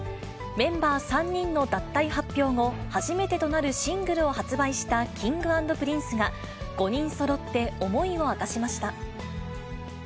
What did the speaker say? メンバー３人の脱退発表後、初めてとなるシングルを発売したＫｉｎｇ＆Ｐｒｉｎｃｅが、５人そろって思いを明かしました。